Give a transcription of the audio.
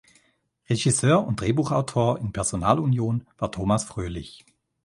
Regisseur und Drehbuchautor in Personalunion war Thomas Fröhlich.